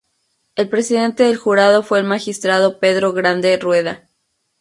El presidente del jurado fue el magistrado Pedro Grande Rueda.